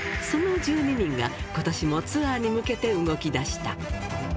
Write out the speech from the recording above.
その１２人が、ことしもツアーに向けて動きだした。